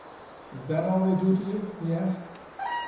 "Is that all they do to you?" he asked.